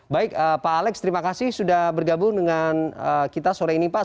baik pak alex terima kasih sudah bergabung dengan kita sore ini pak